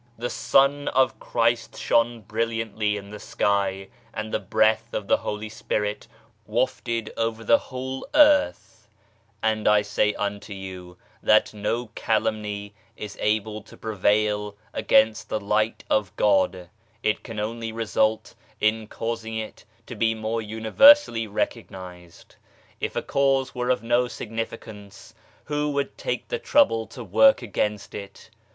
The Sun of Christ shone brilliantly in the sky, and the Breath of the Holy Spirit wafted over the whole earth 1 And I say unto you that no calumny is able to prevail against the Light of God ; it can only result in causing it to be more universally recognized. If a cause were SPIRITUALITY 97 of no significance, who would take the trouble to work against it